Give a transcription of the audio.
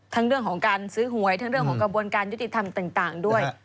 เรื่องของการซื้อหวยทั้งเรื่องของกระบวนการยุติธรรมต่างด้วย